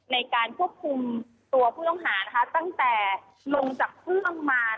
ในการควบคุมตัวผู้ต้องหานะคะตั้งแต่ลงจากเครื่องมา